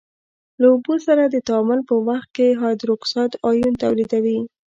له اوبو سره د تعامل په وخت کې هایدروکساید آیون تولیدوي.